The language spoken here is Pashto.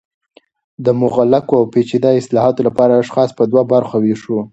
د مغلقو او پیچده اصطالحاتو لپاره اشخاص په دوه برخو ویشو